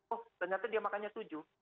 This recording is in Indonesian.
oh ternyata dia makannya tujuh